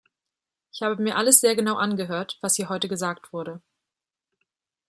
Ich habe mir alles sehr genau angehört, was hier heute gesagt wurde.